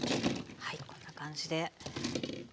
はいこんな感じで。